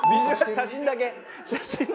写真だけ。